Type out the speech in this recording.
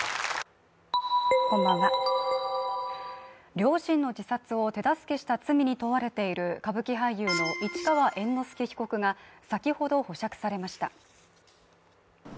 両親の自殺を手助けした罪に問われている歌舞伎俳優の市川猿之助被告が先ほど、保釈されました。